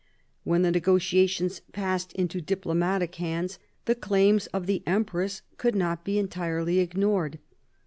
When the negotiations passed into diplomatic hands, the claims of the empress could not be entirely ignored.